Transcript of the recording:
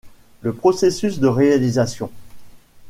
Le processus de réalisation.